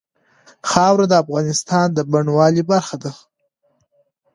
خاوره د افغانستان د بڼوالۍ برخه ده.